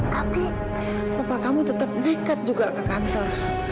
tapi papa kamu tetap nekat juga ke kantor